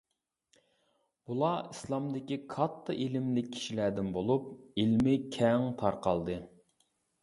بۇلار ئىسلامدىكى كاتتا ئىلىملىك كىشىلەردىن بولۇپ، ئىلمى كەڭ تارقالدى.